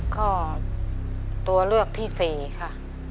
ตัวเลือกที่๔ค่ะ